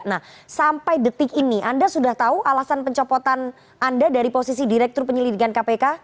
nah sampai detik ini anda sudah tahu alasan pencopotan anda dari posisi direktur penyelidikan kpk